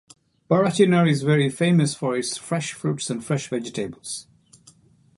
Parachinar is very famous for its fresh fruits and fresh vegetables.